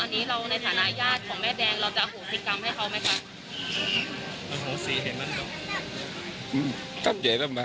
ตอนนี้เราในฐานะญาติของแม่แดงเราจะอโหสิกรรมให้เขาไหมคะ